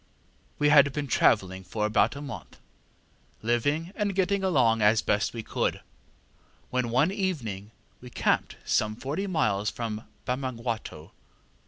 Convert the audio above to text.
ŌĆ£We had been travelling for about a month, living and getting along as best we could, when one evening we camped some forty miles from Bamangwato.